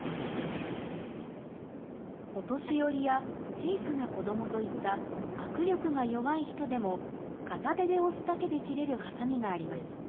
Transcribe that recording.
お年寄りや小さな子どもといった握力が弱い人でも、片手で押すだけで切れるはさみがあります。